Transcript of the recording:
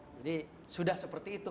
jadi sudah seperti itu